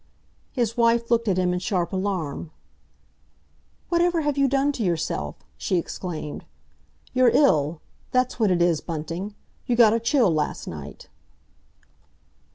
His wife looked at him in sharp alarm. "Whatever have you done to yourself?" she exclaimed. "You're ill—that's what it is, Bunting. You got a chill last night!"